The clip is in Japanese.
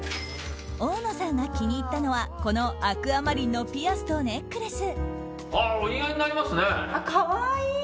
大野さんが気に入ったのはこのアクアマリンのピアスとネックレス。